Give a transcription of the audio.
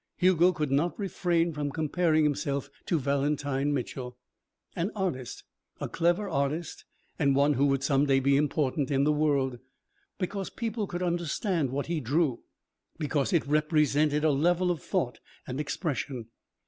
Hugo could not refrain from comparing himself to Valentine Mitchel. An artist a clever artist and one who would some day be important to the world. Because people could understand what he drew, because it represented a level of thought and expression.